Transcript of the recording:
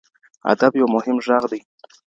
ادب یو مهم ږغ دی